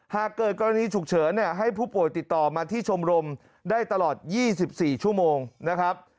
หากเกิดกรณีฉุกเฉินให้ผู้ป่วยติดต่อมาที่ชมรมได้ตลอด๒๔ชั่วโมงนะครับ